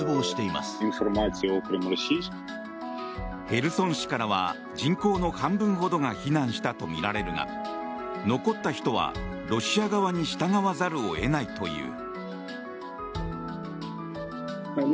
ヘルソン市からは人口の半分ほどが避難したとみられるが残った人はロシア側に従わざるを得ないという。